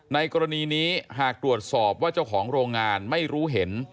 ในกรณีนี้หากตรวจสอบว่าเจ้าของโรงงานไม่รู้เห็น